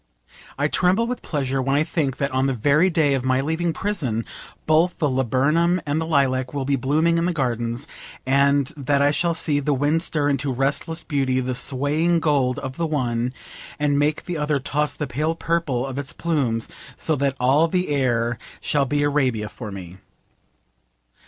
I tremble with pleasure when I think that on the very day of my leaving prison both the laburnum and the lilac will be blooming in the gardens, and that I shall see the wind stir into restless beauty the swaying gold of the one, and make the other toss the pale purple of its plumes, so that all the air shall be Arabia for me.